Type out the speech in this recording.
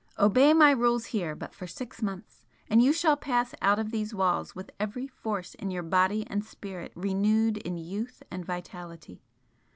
Obey my rules here but for six months and you shall pass out of these walls with every force in your body and spirit renewed in youth and vitality!